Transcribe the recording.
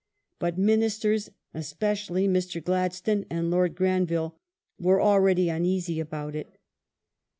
But Ministers — especially Mr. Gladstone and Lord Granville — were already uneasy about it.